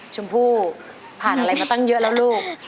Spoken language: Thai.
ชมพู่ผ่านอะไรมาตั้งเยอะแล้วลูก